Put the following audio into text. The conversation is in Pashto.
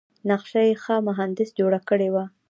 نقشه یې ښه مهندس جوړه کړې وه.